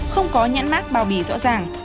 không có nhãn mát bao bì rõ ràng